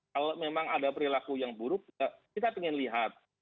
kalau memang ada perilaku yang buruk kita ingin lihat